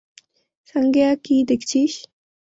সাঙ্গেয়া, কী দেখছিস?